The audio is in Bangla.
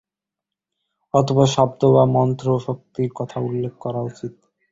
অতঃপর শব্দ বা মন্ত্র-শক্তির কথা উল্লেখ করা উচিত।